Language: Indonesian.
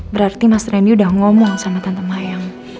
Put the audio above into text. berarti mas rendy udah ngomong sama tante mayang